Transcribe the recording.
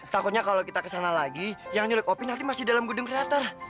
takutnya kalo kita kesana lagi yang nyulik opi nanti masih dalam gudeng creator